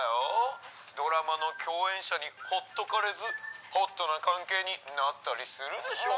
ドラマの共演者にほっとかれずホットな関係になったりするでしょ？